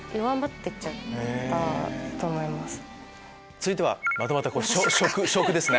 続いてはまたまた「食」ですね。